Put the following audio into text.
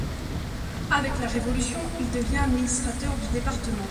Avec la Révolution, il devient administrateur du département.